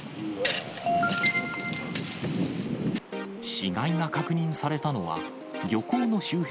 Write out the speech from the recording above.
死骸が確認されたのは、漁港の周辺